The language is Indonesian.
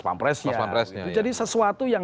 pampresnya jadi sesuatu yang